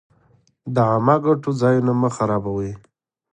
د عامه ګټو ځایونه مه خرابوئ.